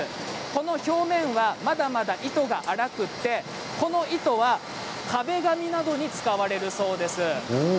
この表面は、まだまだ糸が粗くてこの糸は壁紙などに使われるそうです。